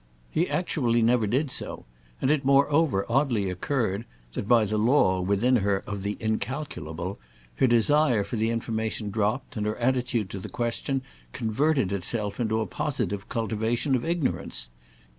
He actually never did so, and it moreover oddly occurred that by the law, within her, of the incalculable, her desire for the information dropped and her attitude to the question converted itself into a positive cultivation of ignorance.